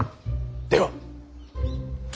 では。